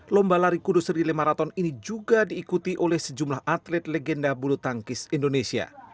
lomba lari kudus relay marathon ini juga diikuti oleh sejumlah atlet legenda bulu tangkis indonesia